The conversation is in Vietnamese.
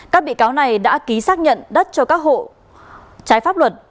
các bị cáo này đã ký xác nhận đất cho các hộ trái pháp luật